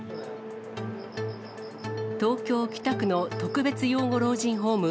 東京・北区の特別養護老人ホーム